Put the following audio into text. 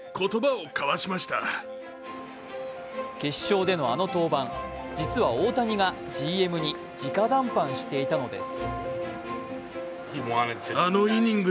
決勝でのあの登板実は、大谷がＧＭにじか談判していたのです。